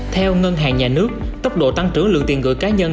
theo ngân hàng nhà nước tốc độ tăng trưởng lượng tiền gửi cá nhân